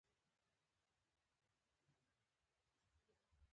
دا پراختیا د اسلام له سپېڅلي دین له بنسټونو سره سمه وي.